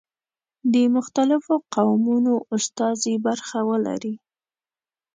د مختلفو قومونو استازي برخه ولري.